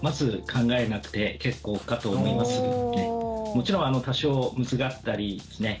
もちろん多少むずがったりですね